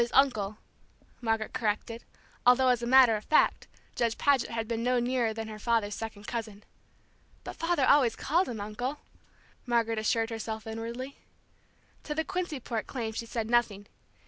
"Father's uncle," Margaret corrected, although as a matter of fact Judge Paget had been no nearer than her father's second cousin. "But father always called him uncle," Margaret assured herself inwardly. To the Quincy port claim she said nothing.